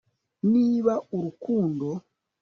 niba urukundo